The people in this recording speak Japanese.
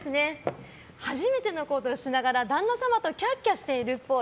初めてのことをしながら旦那様とキャッキャしているっぽい。